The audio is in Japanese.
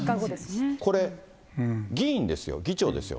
これ、議員ですよ、議長ですよ。